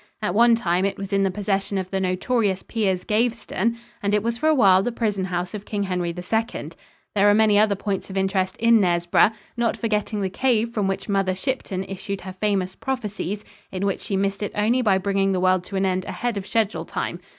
At one time it was in the possession of the notorious Piers Gaveston, and it was for a while the prison house of King Henry II. There are many other points of interest in Knaresborough, not forgetting the cave from which Mother Shipton issued her famous prophecies, in which she missed it only by bringing the world to an end ahead of schedule time.